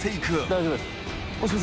大丈夫です。